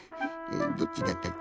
どっちだったっけ？